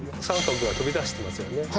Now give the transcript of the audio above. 三角が飛び出してますよね